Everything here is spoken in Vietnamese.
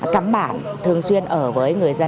cám bản thường xuyên ở với người dân